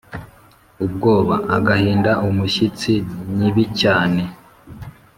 ubwoba agahinda umushyitsi nibicyane